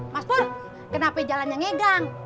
mas pon kenapa jalannya ngegang